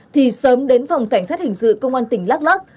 thì sớm đến phòng cảnh sát hình sự công an tỉnh đắk lắc